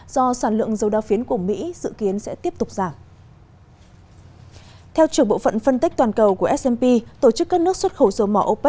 do sản lượng dầu đao phiến của mỹ dự kiến sẽ tiếp tục thảo luận về cơ chế các chính trị